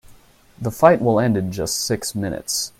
The fight will end in just six minutes.